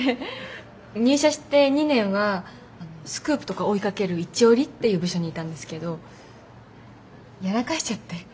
入社して２年はスクープとか追いかける一折っていう部署にいたんですけどやらかしちゃって。